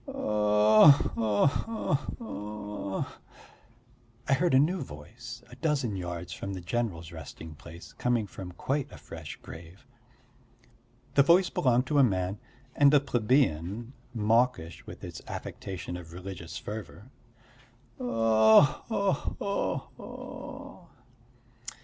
"Oh ho ho ho!" I heard in a new voice a dozen yards from the general's resting place, coming from quite a fresh grave. The voice belonged to a man and a plebeian, mawkish with its affectation of religious fervour. "Oh ho ho ho!"